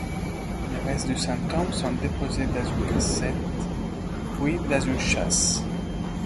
Les restes du saint homme sont déposés dans une cassette, puis dans une châsse.